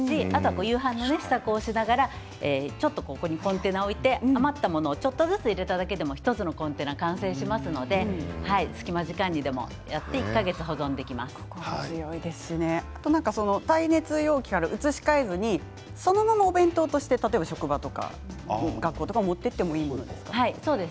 夕飯の支度をしながらちょっとコンテナを置いて余ったものをちょっとずつ入れただけでも１つのコンテナが完成しますので隙間時間にでもやって耐熱容器から移し替えずにそのままお弁当として例えば、職場とか学校とか持って行ってもいいものですか？